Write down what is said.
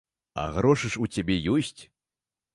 А грошы ж у цябе ёсць?